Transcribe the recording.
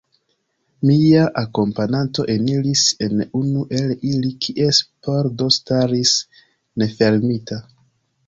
Mia akompananto eniris en unu el ili, kies pordo staris nefermita.